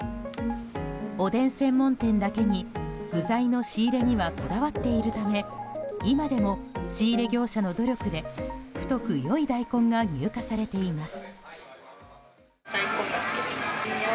おでん専門店だけに具材の仕入れにはこだわっているため今でも仕入れ業者の努力で太く良い大根が入荷されています。